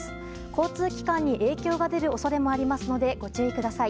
交通機関に影響が出る恐れもありますのでご注意ください。